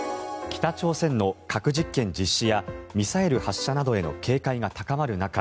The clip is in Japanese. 北朝鮮の核実験実施やミサイル発射などへの警戒が高まる中